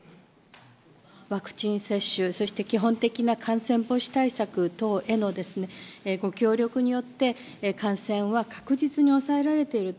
ワクチン接種、そして基本的な感染防止対策等へのご協力によって、感染は確実に抑えられていると。